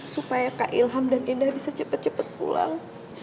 supaya kak ilham dan indah bisa cepet cepet pulang